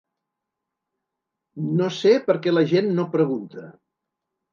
No sé per què la gent no pregunta.